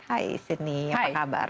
hai sidney apa kabar